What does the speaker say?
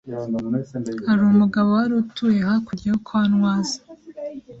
hari umugabo wari utuye hakurya yo kwa Ntwaza,